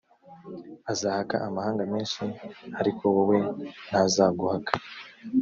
uzahaka amahanga menshi, ariko wowe ntazaguhaka.